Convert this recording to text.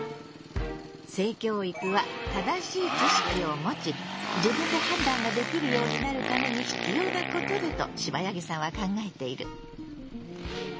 性教育は正しい知識をもち自分で判断ができるようになるために必要なことだとシバヤギさんは考えている。